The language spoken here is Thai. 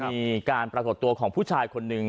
มีการปรากฏตัวของผู้ชายคนหนึ่ง